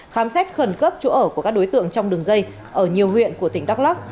khám xét khẩn cấp chỗ ở của các đối tượng trong đường dây ở nhiều huyện của tỉnh đắk lắc